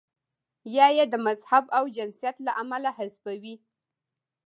یا یې د مذهب او جنسیت له امله حذفوي.